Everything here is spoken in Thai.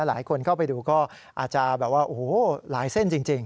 หลายคนเข้าไปดูก็อาจจะแบบว่าโอ้โหหลายเส้นจริง